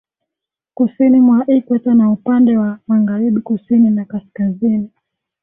Kusini mwa Ikweta na upande wa Magharibi Kusini na Kaskazini